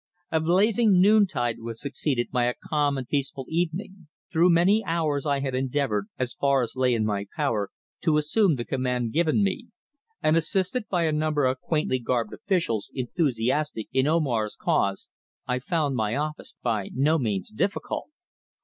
A blazing noontide was succeeded by a calm and peaceful evening. Through many hours I had endeavoured, as far as lay in my power, to assume the command given me, and assisted by a number of quaintly garbed officials enthusiastic in Omar's cause, I found my office by no means difficult.